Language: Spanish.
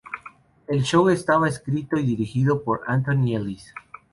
El show estaba escrito y dirigido por Antony Ellis.